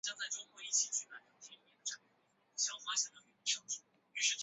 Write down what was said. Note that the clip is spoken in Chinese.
获释放后在罗斯托克收获机厂做一名普通工人。